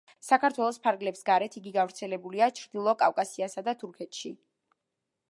საქართველოს ფარგლებს გარეთ იგი გავრცელებულია ჩრდილო კავკასიასა და თურქეთში.